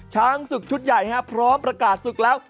ช้างศึกชุดใหญ่พร้อมประกาศศึกแล้ว